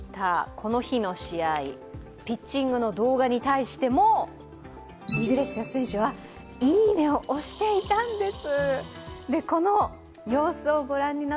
この日の試合、ピッチングの動画に対してもイグレシアス選手は、いいねを押していたんです。